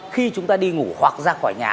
khi chúng ta đi ngủ hoặc ra khỏi nhà